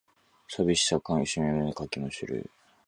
寂しさかみしめ胸かきむしる